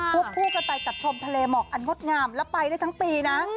คู่กันไปกับชมทะเลหมอกอันงดงามแล้วไปได้ทั้งปีนะ